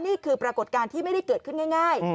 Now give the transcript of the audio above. นี่คือปรากฏการณ์ที่ไม่ได้เกิดขึ้นง่าย